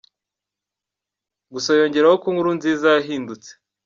Gusa yongeraho ko Nkurunziza yahindutse.